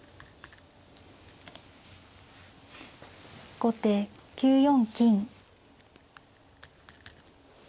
後手９四金。